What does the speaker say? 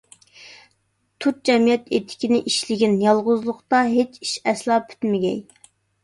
تۇت جەمئىيەت ئېتىكىنى، ئىشلىگىن، يالغۇزلۇقتا ھېچ ئىش ئەسلا پۈتمىگەي.